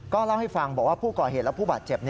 เล่าให้ฟังบอกว่าผู้ก่อเหตุและผู้บาดเจ็บ